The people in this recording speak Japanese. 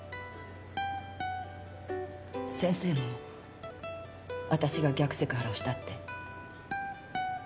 先生もわたしが逆セクハラをしたって？